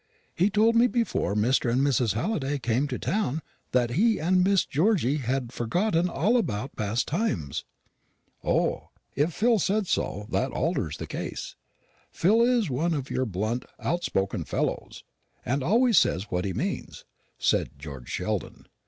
He told me before Mr. and Mrs. Halliday came to town that he and Miss Georgy had forgotten all about past times." "O, if Phil said so, that alters the case. Phil is one of your blunt outspoken fellows, and always says what he means," said George Sheldon.